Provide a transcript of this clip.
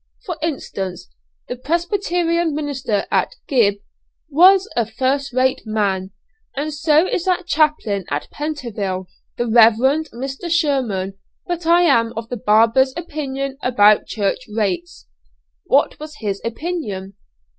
For instance, the Presbyterian minister at 'Gib.' was a first rate man; and so is that chaplain at Pentonville, the Rev. Mr. Sherman. But I am of the barber's opinion about church rates." "What was his opinion?"